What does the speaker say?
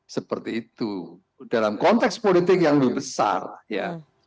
seperti itu dalam konteks politik yang lebih besar ya